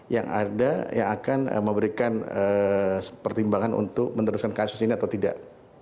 yang ada yang akan memberikan pertimbangan untuk meneruskan kasus ini atau tidak